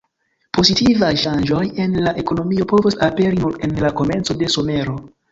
Pozitivaj ŝanĝoj en la ekonomio povos aperi nur en la komenco de somero.